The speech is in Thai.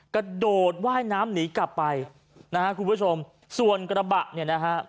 กระโดดว่ายน้ำหนีกลับไปนะฮะคุณผู้ชมส่วนกระบะเนี่ยนะฮะ